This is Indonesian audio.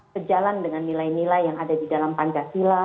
sejalan dengan nilai nilai yang ada di dalam pancasila